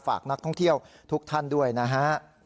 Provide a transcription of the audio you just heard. ฝากนักท่องเที่ยวทุกท่านด้วยนะฮะ